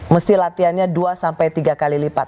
mesti latihannya dua sampai tiga kali lipat